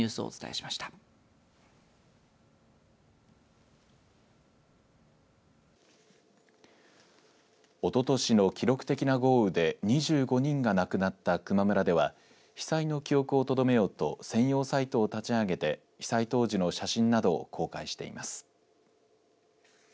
おととしの記録的な豪雨で２５人が亡くなった球磨村では被災の記憶をとどめようと専用サイトを立ち上げて被災当時の写真などを公開しています。